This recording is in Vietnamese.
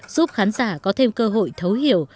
giúp khán giả có thêm cơ hội thấu hiểu